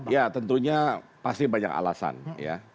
ya tentunya pasti banyak alasan ya